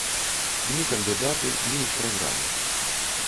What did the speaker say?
Ні кандыдаты, ні іх праграмы.